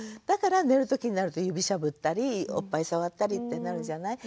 だから寝る時になると指しゃぶったりおっぱい触ったりってなるじゃない。